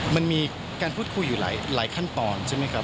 มันมีการพูดคุยอยู่หลายขั้นตอนใช่ไหมครับ